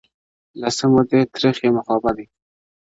له څه مودې ترخ يم خـــوابــــدې هغه.